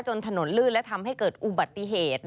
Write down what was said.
ถนนลื่นและทำให้เกิดอุบัติเหตุ